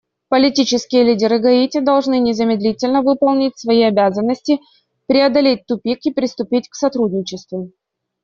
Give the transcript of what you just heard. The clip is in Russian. Политические лидеры Гаити должны незамедлительно выполнить свои обязанности, преодолеть тупик и приступить к сотрудничеству.